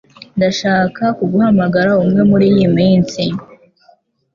Ndashaka kuguhamagara umwe muriyi minsi.